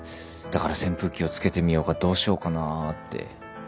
だから扇風機をつけてみようかどうしようかなって。